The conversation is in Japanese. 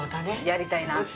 やりたいなと。